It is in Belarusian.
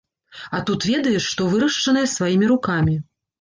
А тут ведаеш, што вырашчанае сваімі рукамі.